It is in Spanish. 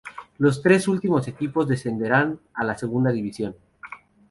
Los tres últimos equipos descenderán a la Segunda División.